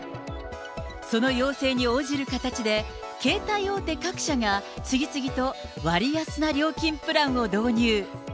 その要請に応じる形で、携帯大手各社が、次々と割安な料金プランを導入。